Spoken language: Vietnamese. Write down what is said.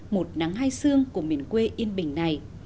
một nắng hai xương của miền quê yên bình này